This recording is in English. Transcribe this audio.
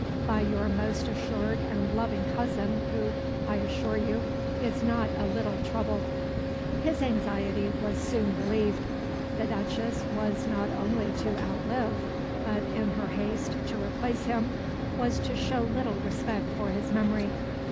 By your most assured and loving cousin, who, I assure you, is not a little troubled." His anxiety was soon relieved. The Duchess was not only to outlive, but, in her haste to replace him, was to show little respect for his memory.